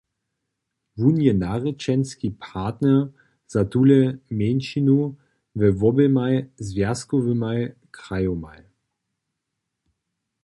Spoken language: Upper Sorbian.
Wón je narěčenski partner za tule mjeńšinu we woběmaj zwjazkowymaj krajomaj.